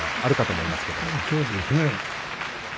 そうですね。